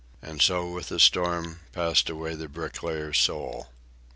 And so with the storm passed away the "bricklayer's" soul.